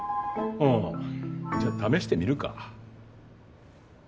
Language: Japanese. ああじゃあ試してみるか？